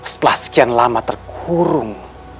setelah sekian lama terkurung